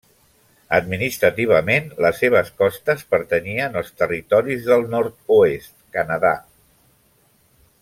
Administrativament, les seves costes pertanyen als Territoris del Nord-oest, Canadà.